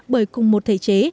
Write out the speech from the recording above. bởi cùng một thể chế